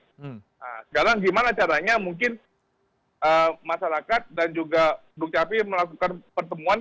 sekarang bagaimana caranya mungkin masyarakat dan juga duk capi melakukan pertemuan